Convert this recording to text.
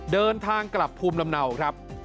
เดินทางกลับภูมิลำเนาครับ